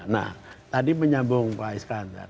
nah tadi menyambung pak iskandar